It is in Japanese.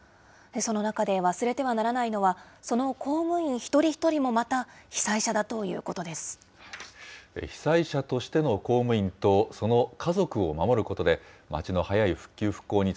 その中で忘れてはならないのは、その公務員一人一人もまた被災者だということです。